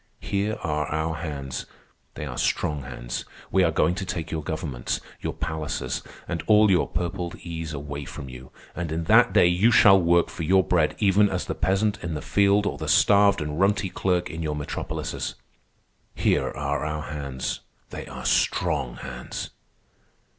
Here are our hands. They are strong hands. We are going to take your governments, your palaces, and all your purpled ease away from you, and in that day you shall work for your bread even as the peasant in the field or the starved and runty clerk in your metropolises. Here are our hands. They are strong hands!